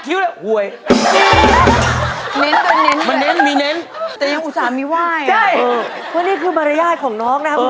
ชีวิตต้องลงทุกซีนหนึ่ง